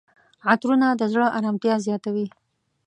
عطرونه د زړه آرامتیا زیاتوي.